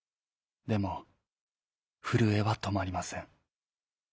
でもふるえはとまりません。